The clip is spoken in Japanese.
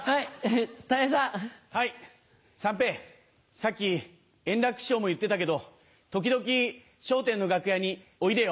さっき円楽師匠も言ってたけど時々『笑点』の楽屋においでよ。